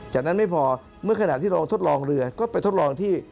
จากนั้นไม่พอเมื่อขณะที่ลองทดลองเรือก็ไปทดลองที่